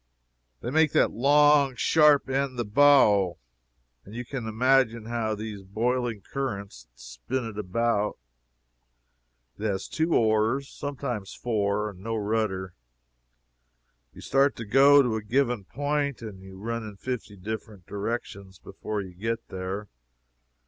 They make that long sharp end the bow, and you can imagine how these boiling currents spin it about. It has two oars, and sometimes four, and no rudder. You start to go to a given point and you run in fifty different directions before you get there.